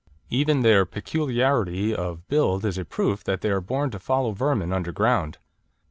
Even their peculiarity of build is a proof that they are born to follow vermin underground.